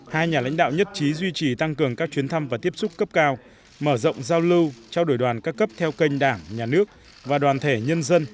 hai nhà lãnh đạo nhất trí duy trì tăng cường các chuyến thăm và tiếp xúc cấp cao mở rộng giao lưu trao đổi đoàn các cấp theo kênh đảng nhà nước và đoàn thể nhân dân